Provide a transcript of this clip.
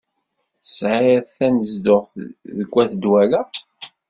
Tesɛiḍ tanezduɣt deg at Dwala?